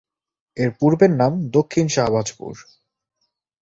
এর পূর্বের নাম দক্ষিণ শাহবাজপুর।